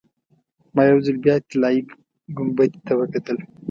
ما یو ځل بیا طلایي ګنبدې ته وکتل.